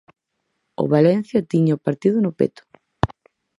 O Valencia tiña o partido no peto.